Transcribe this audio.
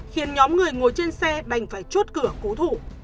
khiến nhóm người ngồi trên xe đành phải chốt cửa cố thủ